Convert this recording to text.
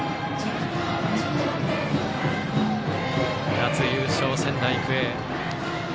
夏優勝、仙台育英。